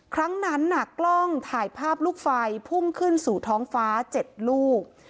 ครั้งนั้นกล้องถ่ายภาพลูกไฟพุ่งขึ้นสู่ท้องฟ้า๗ลูก